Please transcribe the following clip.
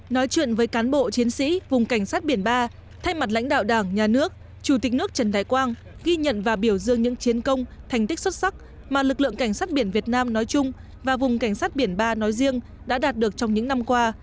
nói chuyện với cán bộ chiến sĩ vùng cảnh sát biển ba thay mặt lãnh đạo đảng nhà nước chủ tịch nước trần đại quang ghi nhận và biểu dương những chiến công thành tích xuất sắc mà lực lượng cảnh sát biển việt nam nói chung và vùng cảnh sát biển ba nói riêng đã đạt được trong những năm qua